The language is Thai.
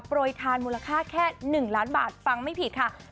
ทานมูลค่าแค่๑ล้านบาทฟังไม่ผิดค่ะ